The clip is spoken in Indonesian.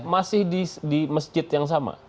masih di masjid yang sama